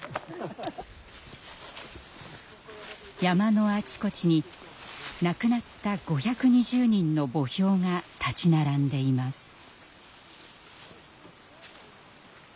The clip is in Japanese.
山のあちこちに亡くなった５２０人の墓標が立ち並んでいます。